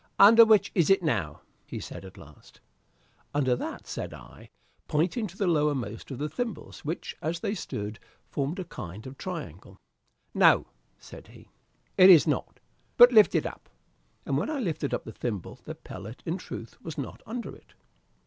"Under which is it now?" he said at last. "Under that," said I, pointing to the lowermost of the thimbles, which, as they stood, formed a kind of triangle. "No," said he, "it is not; but lift it up." And, when I lifted up the thimble, the pellet, in truth, was not under it.